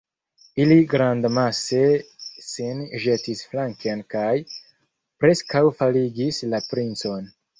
Ili grandamase sin ĵetis flanken kaj preskaŭ faligis la princon.